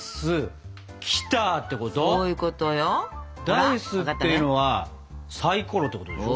ダイスっていうのはサイコロってことでしょ？